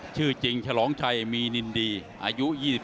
นักมวยจอมคำหวังเว่เลยนะครับ